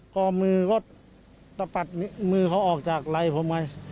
กอมือก็ตะปัดมือเขาออกจากไรผมไป